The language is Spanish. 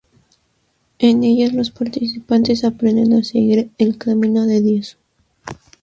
En ellas los participantes aprenden a seguir el camino de Dios.